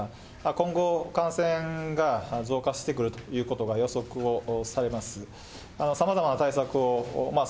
今後、感染が増加してくるということが予測をされます。